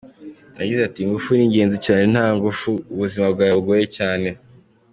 Yagize ati ”Ingufu ni ingenzi cyane, nta ngufu ubuzima bwaba bugoye cyane.